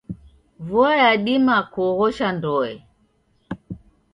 Vua yadima kuoghosha ndoe.